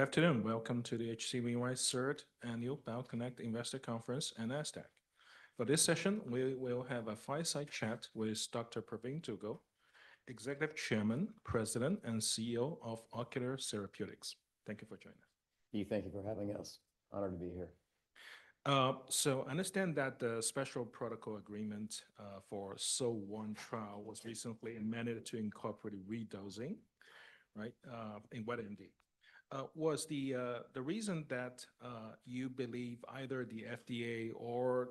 Good afternoon. Welcome to the HCVY CERT annual CloudConnect Investor Conference and NASDAQ. For this session, we will have a fireside chat with Dr. Pravin Dugel, Executive Chairman, President, and CEO of Ocular Therapeutix. Thank you for joining us. Thank you for having us. Honored to be here. I understand that the Special Protocol Agreement for the SOL-1 trial was recently amended to incorporate redosing, right? In what NDA? Was the reason that you believe either the FDA or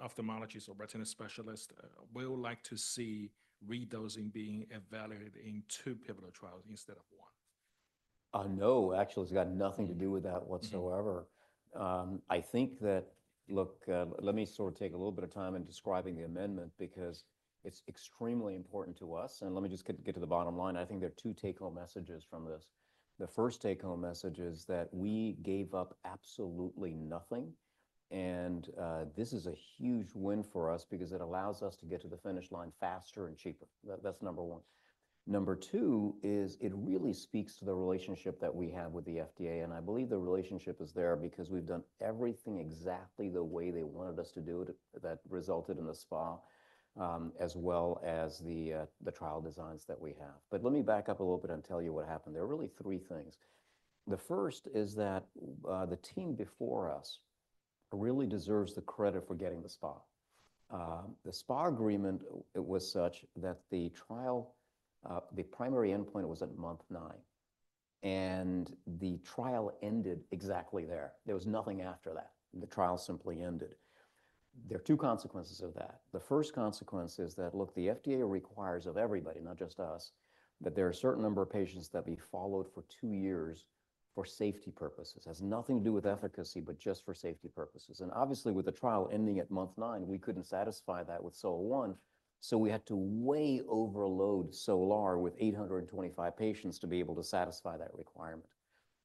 ophthalmologists or retina specialists will like to see redosing being evaluated in two pivotal trials instead of one? No, actually, it's got nothing to do with that whatsoever. I think that, look, let me sort of take a little bit of time in describing the amendment because it's extremely important to us. Let me just get to the bottom line. I think there are two take-home messages from this. The first take-home message is that we gave up absolutely nothing. This is a huge win for us because it allows us to get to the finish line faster and cheaper. That's number 1. Number 2 is it really speaks to the relationship that we have with the FDA. I believe the relationship is there because we've done everything exactly the way they wanted us to do it that resulted in the SPA, as well as the trial designs that we have. Let me back up a little bit and tell you what happened. There are really 3 things. The first is that the team before us really deserves the credit for getting the SPA. The SPA agreement, it was such that the trial, the primary endpoint was at month nine. The trial ended exactly there. There was nothing after that. The trial simply ended. There are two consequences of that. The first consequence is that, look, the FDA requires of everybody, not just us, that there are a certain number of patients that be followed for 2 years for safety purposes. Has nothing to do with efficacy, but just for safety purposes. Obviously, with the trial ending at month 9, we could not satisfy that with SOL-1. We had to way overload SOL-R with 825 patients to be able to satisfy that requirement.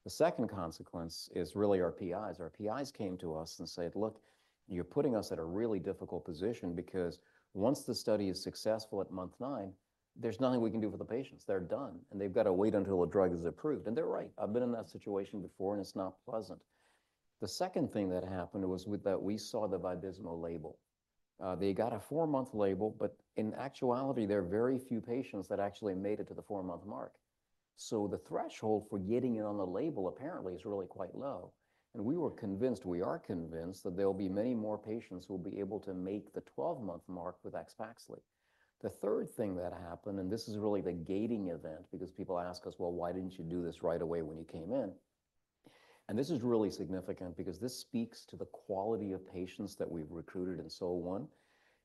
The 2nd consequence is really our PIs. Our PIs came to us and said, "Look, you're putting us at a really difficult position because once the study is successful at month nine, there's nothing we can do for the patients. They're done. They've got to wait until the drug is approved." They're right. I've been in that situation before, and it's not pleasant. The second thing that happened was that we saw the Vabysmo label. They got a four-month label, but in actuality, there are very few patients that actually made it to the four-month mark. The threshold for getting it on the label apparently is really quite low. We were convinced, we are convinced, that there will be many more patients who will be able to make the 12-month mark with AXPAXLI. The third thing that happened, and this is really the gating event because people ask us, "Why didn't you do this right away when you came in?" This is really significant because this speaks to the quality of patients that we've recruited in SOL1.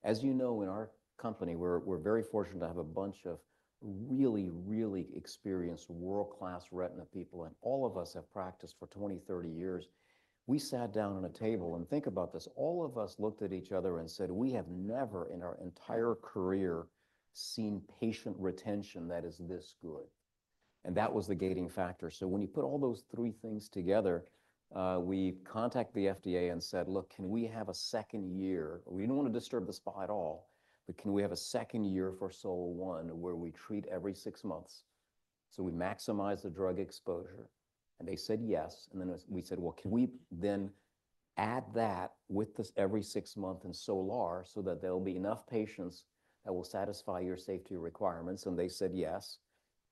As you know, in our company, we're very fortunate to have a bunch of really, really experienced, world-class retina people. All of us have practiced for 20, 30 years. We sat down on a table, and think about this. All of us looked at each other and said, "We have never in our entire career seen patient retention that is this good." That was the gating factor. When you put all those three things together, we contacted the FDA and said, "Look, can we have a second year? We do not want to disturb the SPA at all, but can we have a second year for SOL-1 where we treat every six months so we maximize the drug exposure?" They said, "Yes." We said, "Can we then add that with this every six months in SOL-R so that there will be enough patients that will satisfy your safety requirements?" They said, "Yes."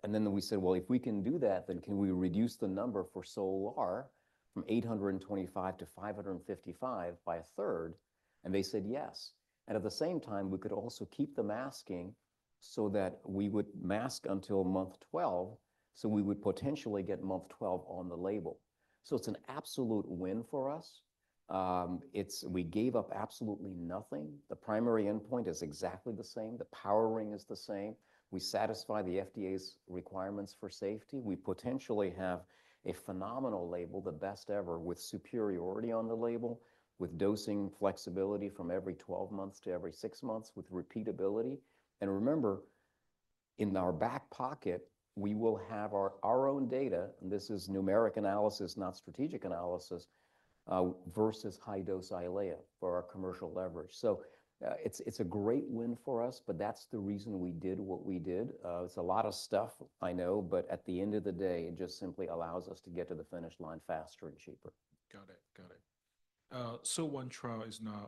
We said, "If we can do that, then can we reduce the number for SOL-R from 825 to 555 by a third?" They said, "Yes." At the same time, we could also keep the masking so that we would mask until month 12, so we would potentially get month 12 on the label. It is an absolute win for us. We gave up absolutely nothing. The primary endpoint is exactly the same. The power ring is the same. We satisfy the FDA's requirements for safety. We potentially have a phenomenal label, the best ever, with superiority on the label, with dosing flexibility from every 12 months to every six months with repeatability. Remember, in our back pocket, we will have our own data, and this is numeric analysis, not strategic analysis, versus high-dose Eylea for our commercial leverage. It is a great win for us, but that is the reason we did what we did. It is a lot of stuff, I know, but at the end of the day, it just simply allows us to get to the finish line faster and cheaper. Got it. Got it. SOL-1 trial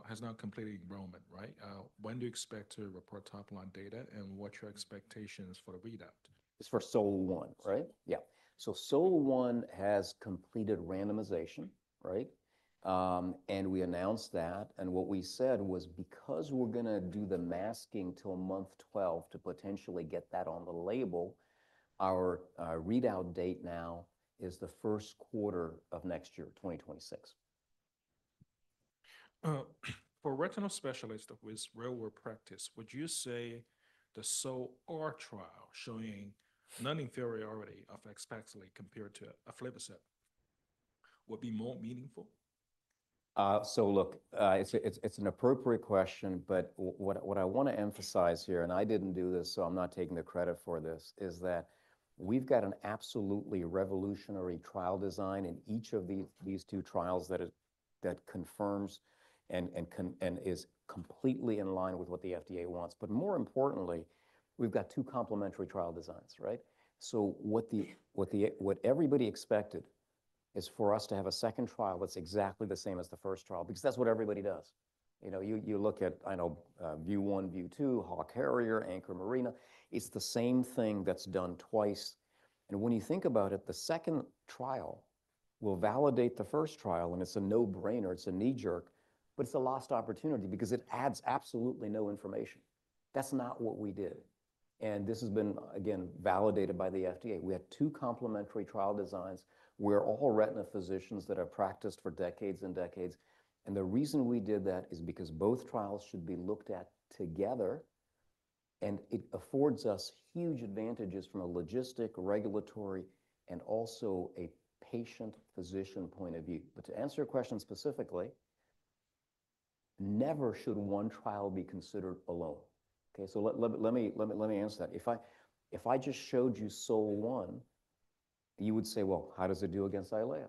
has now completed enrollment, right? When do you expect to report top-line data and what's your expectations for the readout? It's for SOL-1, right? Yeah. SOL-1 has completed randomization, right? We announced that. What we said was because we're going to do the masking till month 12 to potentially get that on the label, our readout date now is the first quarter of next year, 2026. For retinal specialists with real-world practice, would you say the SOL-R trial showing non-inferiority of AXPAXLI compared to Eylea would be more meaningful? Look, it's an appropriate question, but what I want to emphasize here, and I didn't do this, so I'm not taking the credit for this, is that we've got an absolutely revolutionary trial design in each of these two trials that confirms and is completely in line with what the FDA wants. More importantly, we've got two complementary trial designs, right? What everybody expected is for us to have a second trial that's exactly the same as the first trial because that's what everybody does. You look at, I know, View 1, View 2, Hawk Harrier, Anchor Marina. It's the same thing that's done twice. When you think about it, the second trial will validate the first trial, and it's a no-brainer. It's a knee-jerk, but it's a lost opportunity because it adds absolutely no information. That's not what we did. This has been, again, validated by the FDA. We had two complementary trial designs. We're all retina physicians that have practiced for decades and decades. The reason we did that is because both trials should be looked at together, and it affords us huge advantages from a logistic, regulatory, and also a patient-physician point of view. To answer your question specifically, never should one trial be considered alone. Okay? Let me answer that. If I just showed you SOL-1, you would say, "Well, how does it do against Eylea?"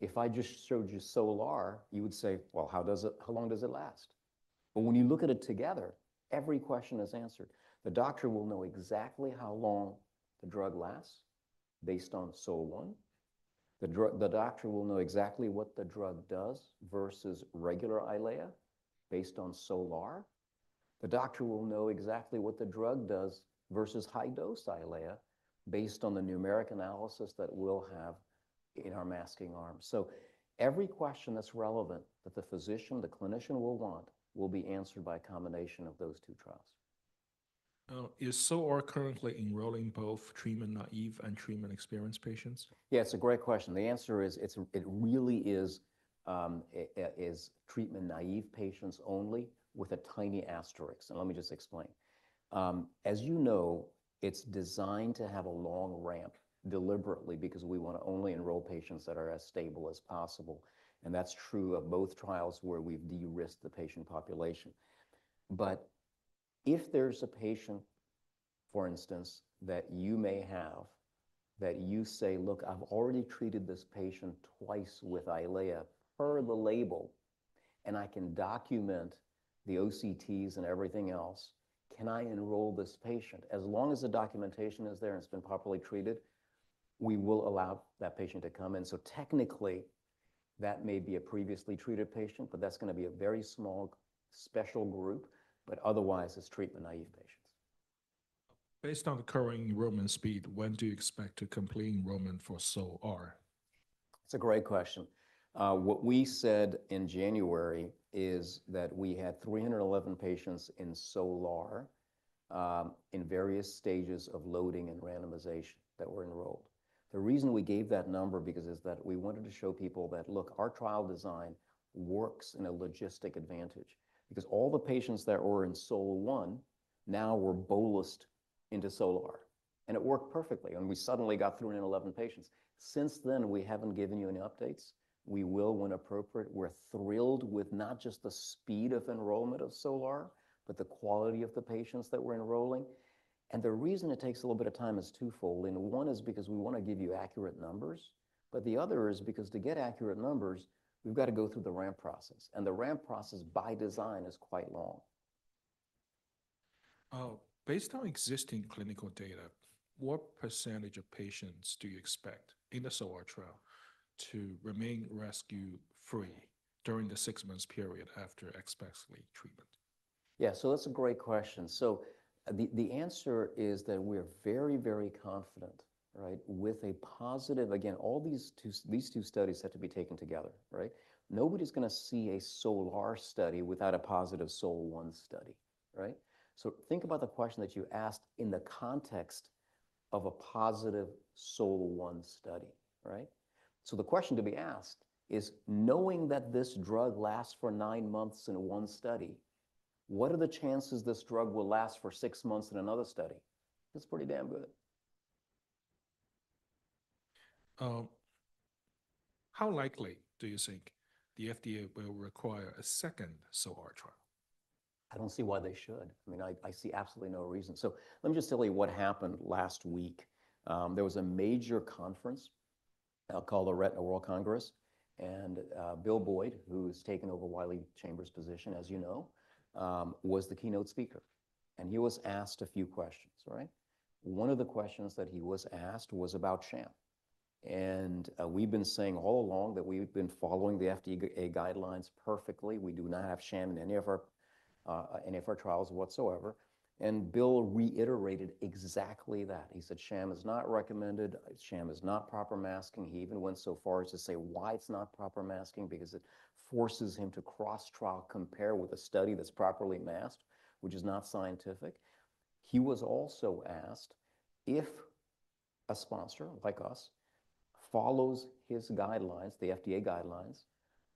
If I just showed you SOL-R, you would say, "Well, how long does it last?" When you look at it together, every question is answered. The doctor will know exactly how long the drug lasts based on SOL-1. The doctor will know exactly what the drug does versus regular Eylea based on SOL-R. The doctor will know exactly what the drug does versus high-dose Eylea based on the numeric analysis that we'll have in our masking arm. Every question that's relevant that the physician, the clinician will want will be answered by a combination of those two trials. Is SOL-R currently enrolling both treatment naive and treatment experienced patients? Yeah, it's a great question. The answer is it really is treatment naive patients only with a tiny asterisk. Let me just explain. As you know, it's designed to have a long ramp deliberately because we want to only enroll patients that are as stable as possible. That is true of both trials where we've de-risked the patient population. If there's a patient, for instance, that you may have that you say, "Look, I've already treated this patient twice with Eylea per the label, and I can document the OCTs and everything else. Can I enroll this patient?" As long as the documentation is there and it's been properly treated, we will allow that patient to come in. Technically, that may be a previously treated patient, but that's going to be a very small special group. Otherwise, it's treatment naive patients. Based on the current enrollment speed, when do you expect to complete enrollment for SOL-R? That's a great question. What we said in January is that we had 311 patients in SOLR in various stages of loading and randomization that were enrolled. The reason we gave that number is that we wanted to show people that, look, our trial design works in a logistic advantage because all the patients that were in SOL1 now were bolused into SOLR. It worked perfectly. We suddenly got 311 patients. Since then, we haven't given you any updates. We will when appropriate. We're thrilled with not just the speed of enrollment of SOLR, but the quality of the patients that we're enrolling. The reason it takes a little bit of time is twofold. One is because we want to give you accurate numbers. The other is because to get accurate numbers, we've got to go through the ramp process. The ramp process by design is quite long. Based on existing clinical data, what percentage of patients do you expect in the SOL-R trial to remain rescue-free during the six-month period after AXPAXLI treatment? Yeah, so that's a great question. The answer is that we're very, very confident, right, with a positive—again, all these two studies have to be taken together, right? Nobody's going to see a SOL-R study without a positive SOL-1 study, right? Think about the question that you asked in the context of a positive SOL-1 study, right? The question to be asked is, knowing that this drug lasts for nine months in one study, what are the chances this drug will last for six months in another study? It's pretty damn good. How likely do you think the FDA will require a second SOL-R trial? I don't see why they should. I mean, I see absolutely no reason. Let me just tell you what happened last week. There was a major conference called the Retina World Congress. Bill Boyd, who's taken over Wiley Chambers' position, as you know, was the keynote speaker. He was asked a few questions, right? One of the questions that he was asked was about sham. We've been saying all along that we've been following the FDA guidelines perfectly. We do not have sham in any of our trials whatsoever. Bill reiterated exactly that. He said, "Sham is not recommended. Sham is not proper masking." He even went so far as to say, "Why it's not proper masking?" Because it forces him to cross-trial compare with a study that's properly masked, which is not scientific. He was also asked if a sponsor like us follows his guidelines, the FDA guidelines,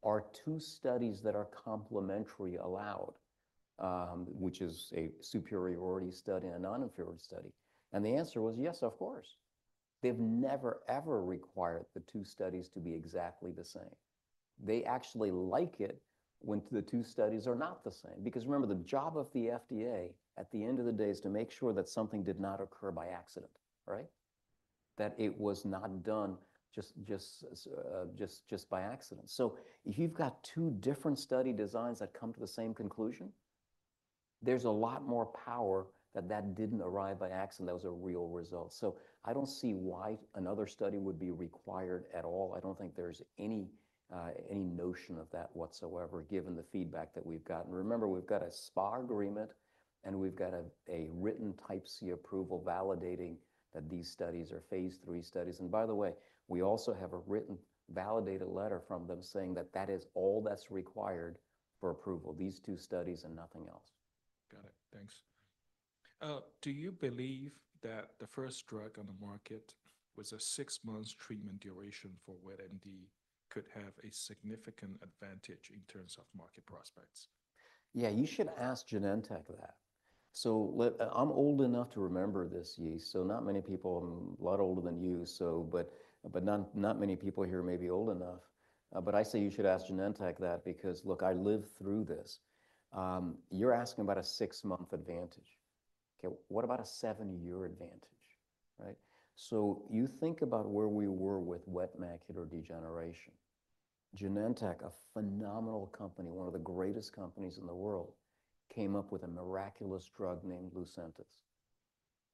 are two studies that are complementary allowed, which is a superiority study and a non-inferiority study. The answer was, "Yes, of course." They've never, ever required the two studies to be exactly the same. They actually like it when the two studies are not the same. Because remember, the job of the FDA at the end of the day is to make sure that something did not occur by accident, right? That it was not done just by accident. If you've got two different study designs that come to the same conclusion, there's a lot more power that that didn't arrive by accident. That was a real result. I don't see why another study would be required at all. I don't think there's any notion of that whatsoever given the feedback that we've gotten. Remember, we've got a SPA agreement, and we've got a written type C approval validating that these studies are phase three studies. By the way, we also have a written validated letter from them saying that that is all that's required for approval, these two studies and nothing else. Got it. Thanks. Do you believe that the first drug on the market with a six-month treatment duration for wet AMD could have a significant advantage in terms of market prospects? Yeah, you should ask Genentech that. I'm old enough to remember this, Yi. Not many people, I'm a lot older than you, but not many people here may be old enough. I say you should ask Genentech that because, look, I lived through this. You're asking about a six-month advantage. Okay, what about a seven-year advantage, right? You think about where we were with wet macular degeneration. Genentech, a phenomenal company, one of the greatest companies in the world, came up with a miraculous drug named Lucentis.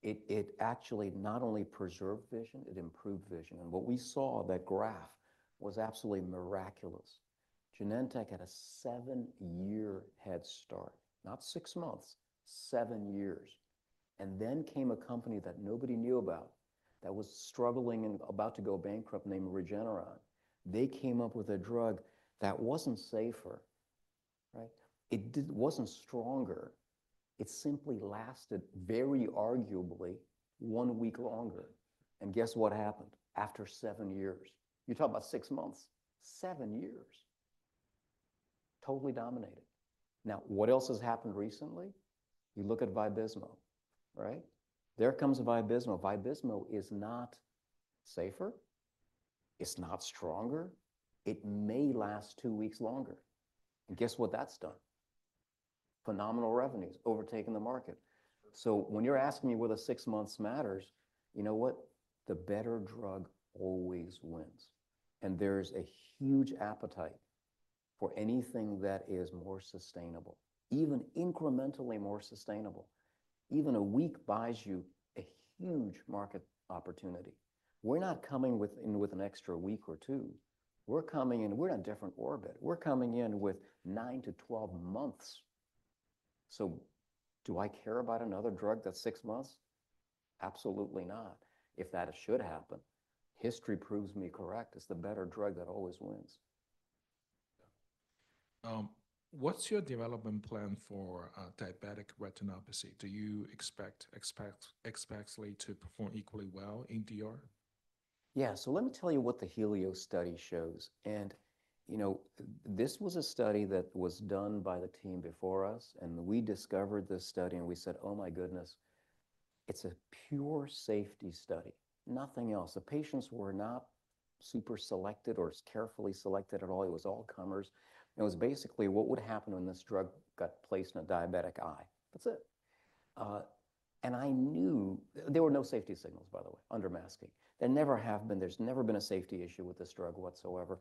It actually not only preserved vision, it improved vision. What we saw, that graph, was absolutely miraculous. Genentech had a seven-year head start, not six months, seven years. Then came a company that nobody knew about that was struggling and about to go bankrupt named Regeneron. They came up with a drug that wasn't safer, right? It wasn't stronger. It simply lasted very arguably one week longer. And guess what happened after seven years? You're talking about six months, seven years. Totally dominated. Now, what else has happened recently? You look at Vabysmo, right? There comes Vabysmo. Vabysmo is not safer. It's not stronger. It may last two weeks longer. And guess what that's done? Phenomenal revenues, overtaking the market. So when you're asking me whether six months matters, you know what? The better drug always wins. And there's a huge appetite for anything that is more sustainable, even incrementally more sustainable. Even a week buys you a huge market opportunity. We're not coming in with an extra week or 2. We're coming in, we're in a different orbit. We're coming in with 9-12 months. So do I care about another drug that's six months? Absolutely not. If that should happen, history proves me correct, it's the better drug that always wins. What's your development plan for diabetic retinopathy? Do you expect AXPAXLI to perform equally well in DR? Yeah. Let me tell you what the Helio study shows. This was a study that was done by the team before us. We discovered this study and we said, "Oh my goodness, it's a pure safety study." Nothing else. The patients were not super selected or carefully selected at all. It was all comers. It was basically what would happen when this drug got placed in a diabetic eye. That's it. I knew there were no safety signals, by the way, under masking. There never have been, there's never been a safety issue with this drug whatsoever.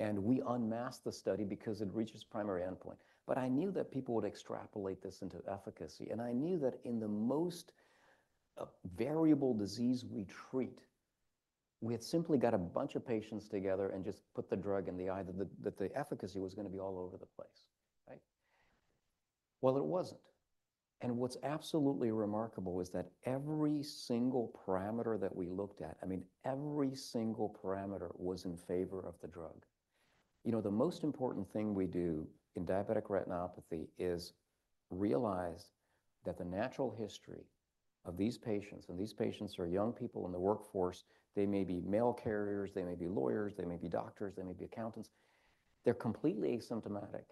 We unmasked the study because it reaches primary endpoint. I knew that people would extrapolate this into efficacy. I knew that in the most variable disease we treat, we had simply got a bunch of patients together and just put the drug in the eye that the efficacy was going to be all over the place, right? It wasn't. What's absolutely remarkable is that every single parameter that we looked at, I mean, every single parameter was in favor of the drug. You know, the most important thing we do in diabetic retinopathy is realize that the natural history of these patients, and these patients are young people in the workforce, they may be mail carriers, they may be lawyers, they may be doctors, they may be accountants, they're completely asymptomatic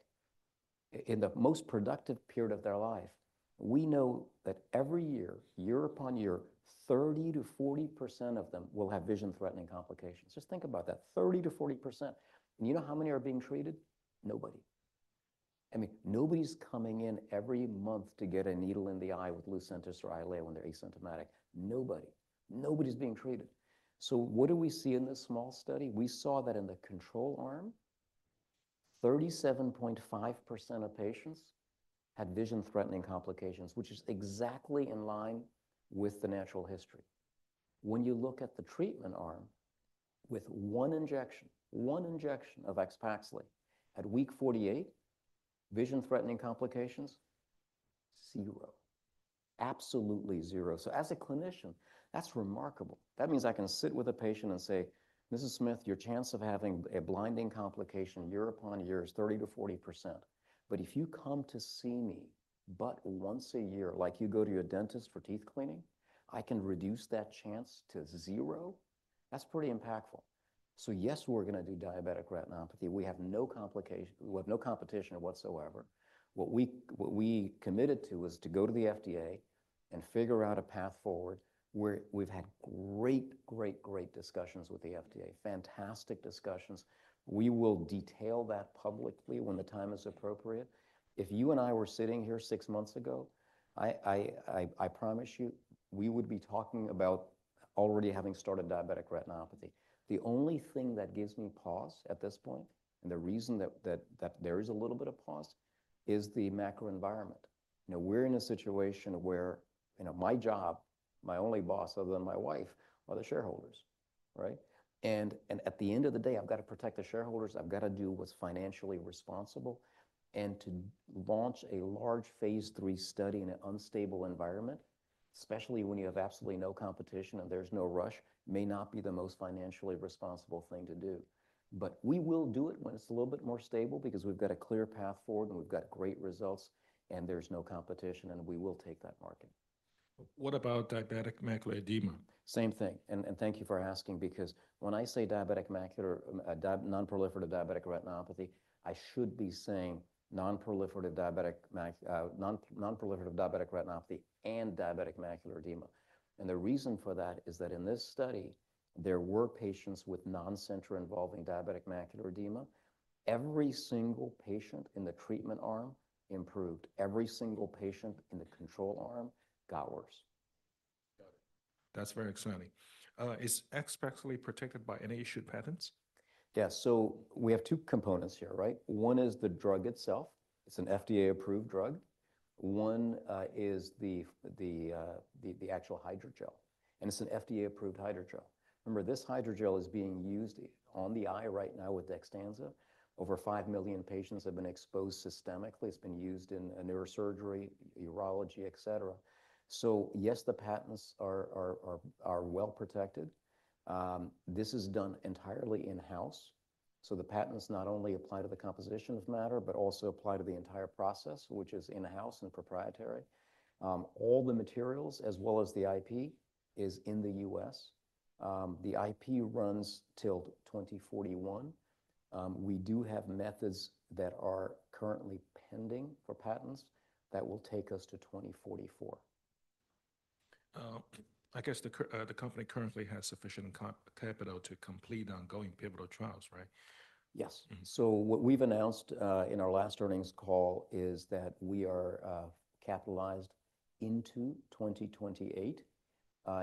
in the most productive period of their life. We know that every year, year upon year, 30-40% of them will have vision-threatening complications. Just think about that. 30-40%. You know how many are being treated? Nobody. I mean, nobody's coming in every month to get a needle in the eye with Lucentis or Eylea when they're asymptomatic. Nobody. Nobody's being treated. What do we see in this small study? We saw that in the control arm, 37.5% of patients had vision-threatening complications, which is exactly in line with the natural history. When you look at the treatment arm, with one injection, one injection of AXPAXLI, at week 48, vision-threatening complications, zero. Absolutely zero. As a clinician, that's remarkable. That means I can sit with a patient and say, "Mr. Smith, your chance of having a blinding complication year upon year is 30-40%. If you come to see me but once a year, like you go to your dentist for teeth cleaning, I can reduce that chance to zero." That's pretty impactful. Yes, we're going to do diabetic retinopathy. We have no competition or whatsoever. What we committed to is to go to the FDA and figure out a path forward. We've had great, great, great discussions with the FDA. Fantastic discussions. We will detail that publicly when the time is appropriate. If you and I were sitting here 6 months ago, I promise you we would be talking about already having started diabetic retinopathy. The only thing that gives me pause at this point, and the reason that there is a little bit of pause, is the macro environment. We're in a situation where my job, my only boss other than my wife, are the shareholders, right? At the end of the day, I've got to protect the shareholders. I've got to do what's financially responsible. To launch a large phase three study in an unstable environment, especially when you have absolutely no competition and there's no rush, may not be the most financially responsible thing to do. We will do it when it's a little bit more stable because we've got a clear path forward and we've got great results and there's no competition and we will take that market. What about diabetic macular edema? Same thing. Thank you for asking because when I say diabetic macular, non-proliferative diabetic retinopathy, I should be saying non-proliferative diabetic retinopathy and diabetic macular edema. The reason for that is that in this study, there were patients with non-center-involving diabetic macular edema. Every single patient in the treatment arm improved. Every single patient in the control arm got worse. Got it. That's very exciting. Is AXPAXLI protected by any issued patents? Yeah. So we have two components here, right? One is the drug itself. It's an FDA-approved drug. One is the actual hydrogel. And it's an FDA-approved hydrogel. Remember, this hydrogel is being used on the eye right now with Dextenza. Over 5 million patients have been exposed systemically. It's been used in neurosurgery, urology, etc. Yes, the patents are well protected. This is done entirely in-house. The patents not only apply to the composition of matter, but also apply to the entire process, which is in-house and proprietary. All the materials, as well as the IP, are in the US. The IP runs till 2041. We do have methods that are currently pending for patents that will take us to 2044. I guess the company currently has sufficient capital to complete ongoing pivotal trials, right? Yes. What we've announced in our last earnings call is that we are capitalized into 2028.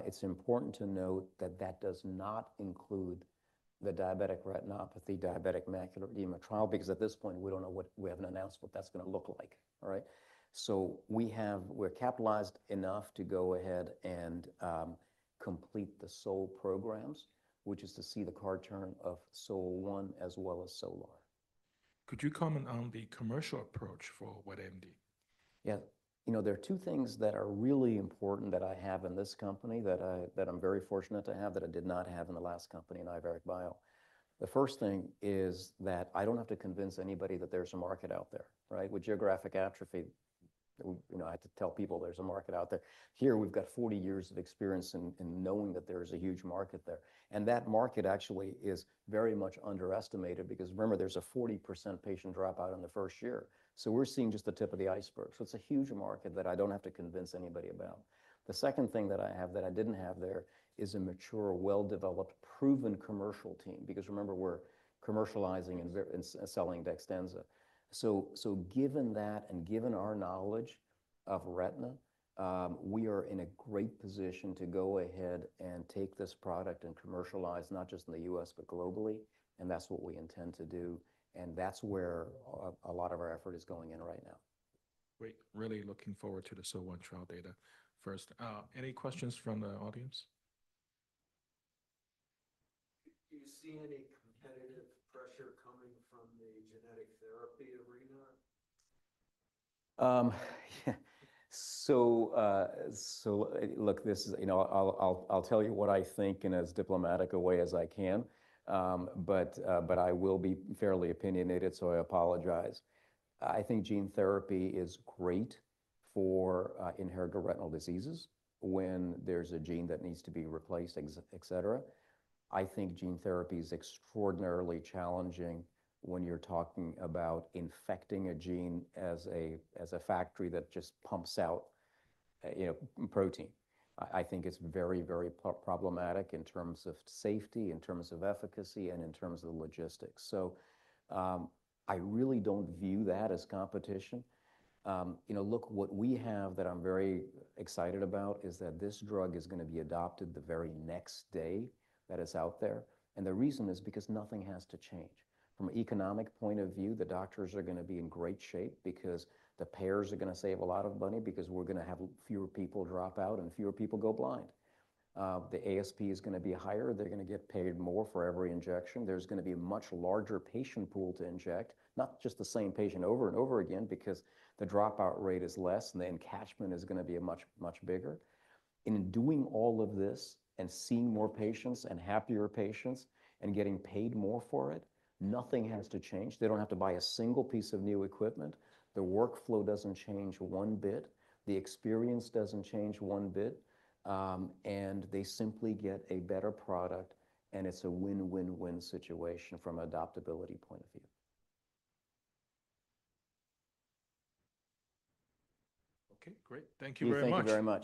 It's important to note that that does not include the diabetic retinopathy, diabetic macular edema trial, because at this point, we don't know, we haven't announced what that's going to look like, all right? We are capitalized enough to go ahead and complete the SOL programs, which is to see the card turn of SOL-1 as well as SOL-R. Could you comment on the commercial approach for wet AMD? Yeah. You know, there are two things that are really important that I have in this company that I'm very fortunate to have that I did not have in the last company in Iveric Bio. The first thing is that I don't have to convince anybody that there's a market out there, right? With geographic atrophy, I have to tell people there's a market out there. Here, we've got 40 years of experience in knowing that there's a huge market there. That market actually is very much underestimated because remember, there's a 40% patient dropout in the first year. We're seeing just the tip of the iceberg. It's a huge market that I don't have to convince anybody about. The second thing that I have that I didn't have there is a mature, well-developed, proven commercial team because remember, we're commercializing and selling Dextenza. Given that and given our knowledge of retina, we are in a great position to go ahead and take this product and commercialize not just in the U.S., but globally. That is what we intend to do. That is where a lot of our effort is going in right now. Great. Really looking forward to the SOL-1 trial data first. Any questions from the audience? Do you see any competitive pressure coming from the genetic therapy arena? Look, I'll tell you what I think in as diplomatic a way as I can, but I will be fairly opinionated, so I apologize. I think gene therapy is great for inherited retinal diseases when there's a gene that needs to be replaced, etc. I think gene therapy is extraordinarily challenging when you're talking about infecting a gene as a factory that just pumps out protein. I think it's very, very problematic in terms of safety, in terms of efficacy, and in terms of logistics. I really don't view that as competition. You know, look, what we have that I'm very excited about is that this drug is going to be adopted the very next day that it's out there. The reason is because nothing has to change. From an economic point of view, the doctors are going to be in great shape because the payers are going to save a lot of money because we're going to have fewer people drop out and fewer people go blind. The ASP is going to be higher. They're going to get paid more for every injection. There's going to be a much larger patient pool to inject, not just the same patient over and over again because the dropout rate is less and the encashment is going to be much, much bigger. In doing all of this and seeing more patients and happier patients and getting paid more for it, nothing has to change. They don't have to buy a single piece of new equipment. The workflow doesn't change 1 bit. The experience doesn't change one bit. They simply get a better product. It is a win-win-win situation from an adoptability point of view. Okay. Great. Thank you very much. Thank you very much.